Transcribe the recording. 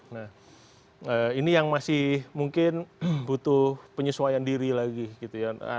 nah ini yang masih mungkin butuh penyesuaian diri lagi gitu ya